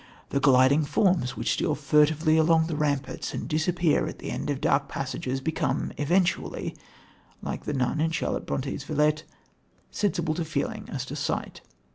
The gliding forms which steal furtively along the ramparts and disappear at the end of dark passages become eventually, like the nun in Charlotte Bronte's Villette, sensible to feeling as to sight.